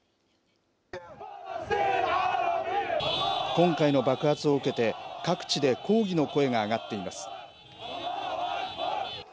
今回の爆発を受けて、各地で抗議の声が上がっています。